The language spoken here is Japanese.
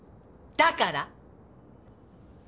だから？